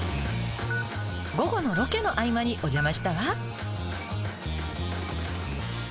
午後のロケの合間にお邪魔したわ。